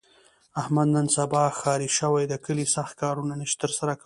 احمد نن سبا ښاري شوی، د کلي سخت کارونه نشي تر سره کولی.